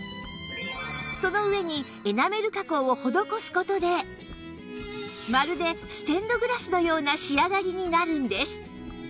その上にエナメル加工を施す事でまるでステンドグラスのような仕上がりになるんです